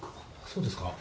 そうですか？